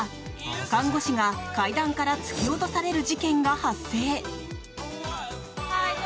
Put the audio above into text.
看護師が階段から突き落とされる事件が発生。